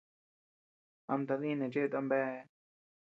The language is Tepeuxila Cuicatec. Ama tadii neʼe cheeta ama beâ.